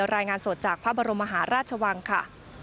รายงานสดจากพระบรมมหาราชวังค่ะ